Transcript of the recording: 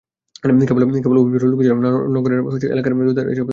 কেবল অফিসপাড়ার লোকজন নয়, নগরের নানা আবাসিক এলাকার রোজাদারেরাও এসব রেস্তোরাঁয় ভিড় জমান।